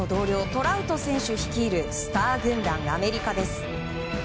トラウト選手率いるスター軍団アメリカです。